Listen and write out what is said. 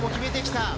決めてきた！